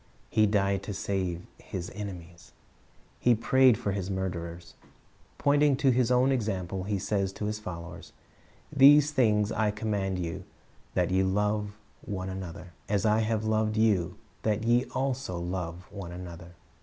He died to save His enemies. He prayed for His murderers. Pointing to His own example. He says to His followers, "These things I command you, that ye love one another;" "as I have loved you, that ye also love one another."'